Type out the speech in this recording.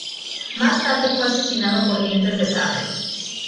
Más tarde fue asesinado por Dientes de Sable.